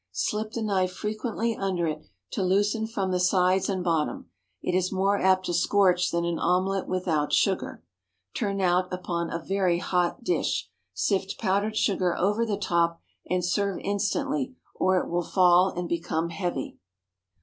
Slip the knife frequently under it, to loosen from the sides and bottom. It is more apt to scorch than an omelette without sugar. Turn out upon a very hot dish, sift powdered sugar over the top, and serve instantly, or it will fall and become heavy.